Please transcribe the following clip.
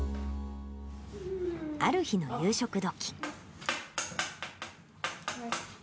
ある日の夕食どき。